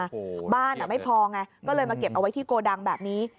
โอ้โหบ้านอ่ะไม่พอไงก็เลยมาเก็บเอาไว้ที่โกดังแบบนี้